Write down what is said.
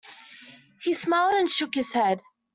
He smiled and shook his head.